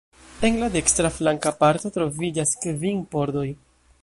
En la dekstra flanka parto troviĝas kvin pordoj.